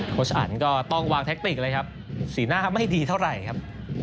ชอันก็ต้องวางแท็กติกเลยครับสีหน้าไม่ดีเท่าไหร่ครับ